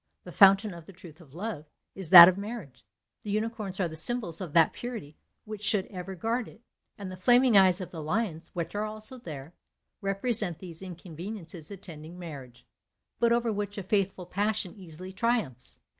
The FOUNTAIN of the TRUTH OF LOVE is that of marriage; the unicorns are the symbols of that purity which should ever guard it; and the flaming eyes of the lions, which are also there, represent those inconveniences attending marriage, but over which a faithful passion easily triumphs.